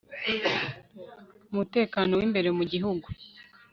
umutekano w imbere mu Gihugu